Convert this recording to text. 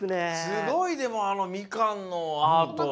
すごいでもあのみかんのアート。